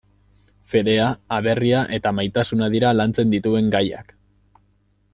Fedea, aberria eta maitasuna dira lantzen dituen gaiak.